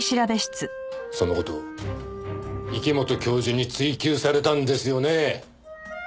その事を池本教授に追及されたんですよね？